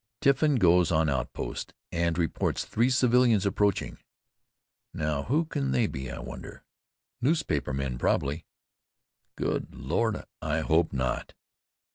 Tiffin goes on outpost and reports three civilians approaching. "Now, who can they be, I wonder?" "Newspaper men probably." "Good Lord! I hope not."